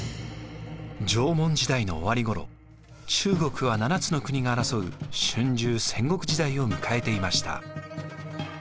縄文時代の終わりごろ中国は７つの国が争う春秋・戦国時代を迎えていました。